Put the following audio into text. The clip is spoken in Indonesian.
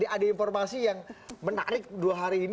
ada informasi yang menarik dua hari ini